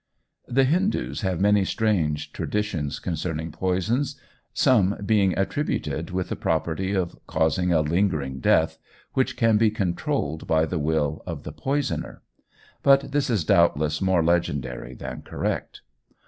The Hindoos have many strange traditions concerning poisons, some being attributed with the property of causing a lingering death, which can be controlled by the will of the poisoner. But this is doubtless more legendary than correct.